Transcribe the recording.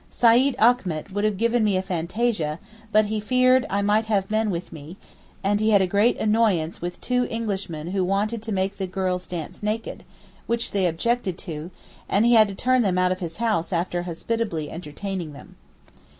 Seyyid Achmet would have given me a fantasia, but he feared I might have men with me, and he had had a great annoyance with two Englishmen who wanted to make the girls dance naked, which they objected to, and he had to turn them out of his house after hospitably entertaining them.